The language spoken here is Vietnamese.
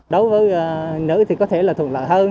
đối với nữ thì có thể là thuận lợi hơn